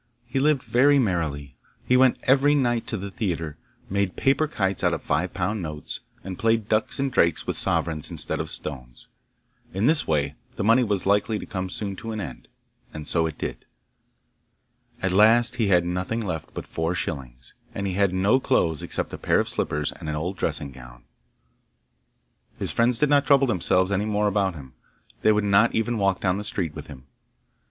He lived very merrily; he went every night to the theatre, made paper kites out of five pound notes, and played ducks and drakes with sovereigns instead of stones. In this way the money was likely to come soon to an end, and so it did. At last he had nothing left but four shillings, and he had no clothes except a pair of slippers and an old dressing gown. His friends did not trouble themselves any more about him; they would not even walk down the street with him.